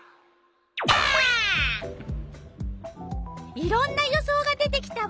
いろんな予想が出てきたわ。